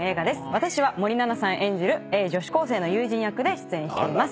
私は森七菜さん演じる女子高生の友人役で出演しています。